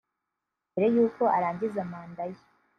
mbere y’ uko arangiza manda ye